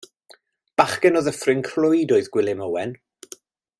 Bachgen o Ddyffryn Clwyd oedd Gwilym Owen.